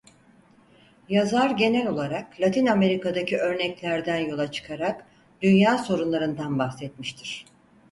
Yazar genel olarak Latin Amerika'daki örneklerden yola çıkarak dünya sorunlarından bahsetmiştir.